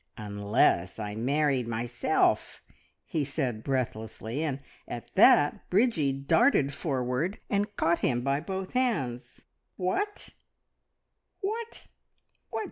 "Unless I married myself!" he said breathlessly, and at that Bridgie darted forward and caught him by both hands. "What? What? What?